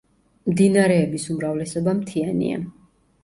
მდინარეების უმრავლესობა მთიანია.